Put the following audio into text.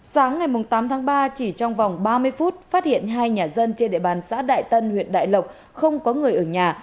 sáng ngày tám tháng ba chỉ trong vòng ba mươi phút phát hiện hai nhà dân trên địa bàn xã đại tân huyện đại lộc không có người ở nhà